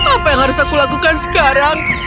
apa yang harus aku lakukan sekarang